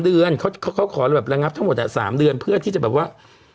เดือนเขาขอแบบระงับทั้งหมด๓เดือนเพื่อที่จะแบบว่า